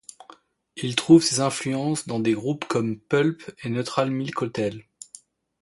Il trouve ses influences dans des groupes comme Pulp et Neutral Milk Hotel.